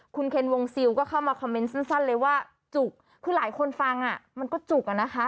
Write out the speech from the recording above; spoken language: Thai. คุณเคนวงซิลก็เข้ามาคอมเมนต์สั้นเลยว่าจุกคือหลายคนฟังอ่ะมันก็จุกอะนะคะ